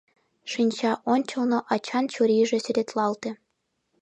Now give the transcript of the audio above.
Шинча ончылно ачан чурийже сӱретлалте.